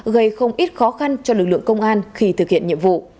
gây không ít khó khăn cho lực lượng công an khi thực hiện nhiệm vụ